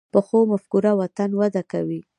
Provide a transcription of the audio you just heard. پخو مفکورو وطن وده کوي